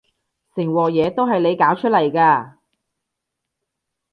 成鑊嘢都係你搞出嚟㗎